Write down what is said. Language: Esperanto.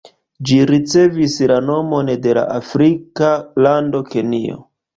Ĝi ricevis la nomon de la afrika lando Kenjo.